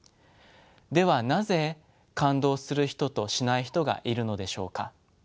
ではなぜ感動する人としない人がいるのでしょうか。